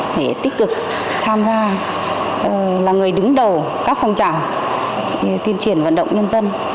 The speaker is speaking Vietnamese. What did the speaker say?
phải tích cực tham gia là người đứng đầu các phòng trảo tiên triển vận động nhân dân